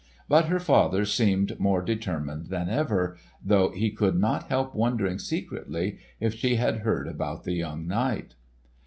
But her father seemed more determined than ever, though he could not help wondering secretly, if she had heard about the young knight.